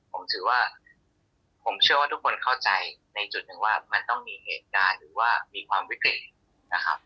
ผมเชื่อว่าทุกคนเข้าใจในจุดเน่วมันต้องมีเหตุการณ์ว่ามีความวิเคระนะครับ